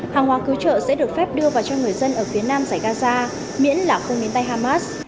hàng hóa cứu trợ sẽ được phép đưa vào cho người dân ở phía nam giải gaza miễn là không đến tay hamas